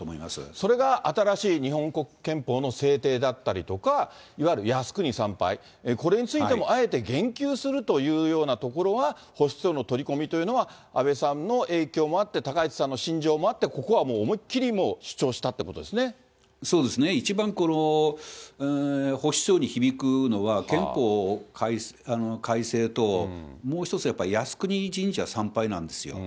それが新しい日本国憲法の制定だったりとか、いわゆる靖国参拝、これについてもあえて言及するというようなところは保守層の取り込みというのは安倍さんの影響もあって、高市さんの信条もあって、ここはもう思いっ切りもう主張したってそうですね、一番保守層に響くのは憲法改正と、もう一つやっぱり、靖国神社参拝なんですよ。